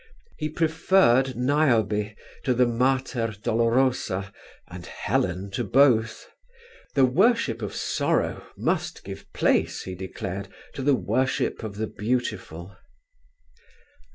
He preferred Niobe to the Mater Dolorosa and Helen to both; the worship of sorrow must give place, he declared, to the worship of the beautiful.